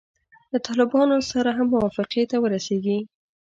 له طالبانو سره هم موافقې ته ورسیږي.